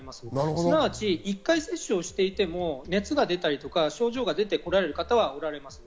すなわち、１回接種をしていても熱が出たりとか、症状が出てこられる方はおられます。